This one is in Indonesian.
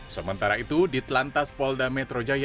sementara itu di dir lantas polda metro jaya